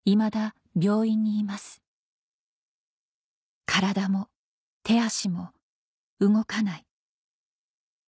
「身体も手足も動かない」